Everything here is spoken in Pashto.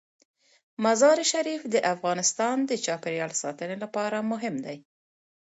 مزارشریف د افغانستان د چاپیریال ساتنې لپاره مهم دي.